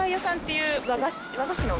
和菓子古